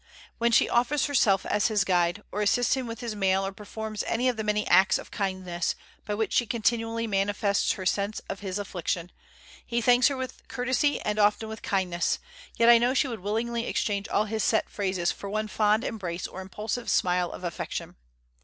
When she offers herself as his guide, or assists him with his mail or performs any of the many acts of kindness by which she continually manifests her sense of his affliction, he thanks her with courtesy and often with kindness, yet I know she would willingly exchange all his set phrases for one fond embrace or impulsive smile of affection.